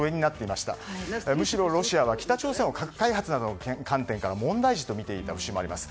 ですのでむしろロシアは北朝鮮を核開発などの観点から問題児とみていた節があります。